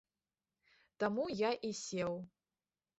Таму я і сеў.